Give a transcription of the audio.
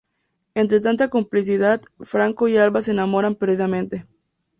Entre tanta complicidad, Franco y Alba se enamoran perdidamente.